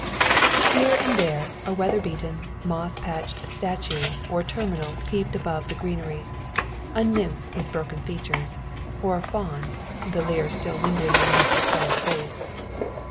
Here and there a weather beaten, moss patched statue or terminal peeped above the greenery, a nymph with broken features, or a faun, the leer still lingering on his discoloured face.